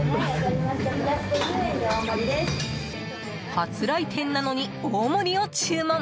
初来店なのに、大盛りを注文！